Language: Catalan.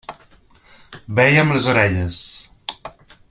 Veia amb les orelles.